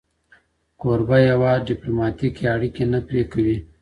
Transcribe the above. کوربه هیواد ډیپلوماټیکي اړیکي نه پري کوي.